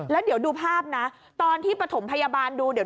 แล้วเดี๋ยวดูภาพนะตอนที่ปฐมพยาบาลดูเดี๋ยว